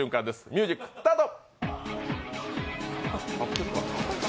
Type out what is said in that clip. ミュージックスタート！